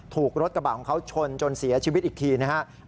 ถูกรถกระบะของเขาชนจนเสียชีวิตอีกทีนะครับ